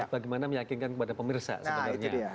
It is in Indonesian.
bagaimana meyakinkan kepada pemirsa sebenarnya